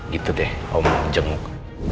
gitu deh om jenguk